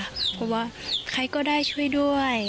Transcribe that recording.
บอกว่าใครก็ได้ช่วยด้วย